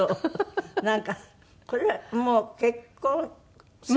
なんかこれはもう結婚する前？